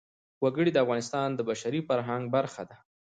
وګړي د افغانستان د بشري فرهنګ برخه ده.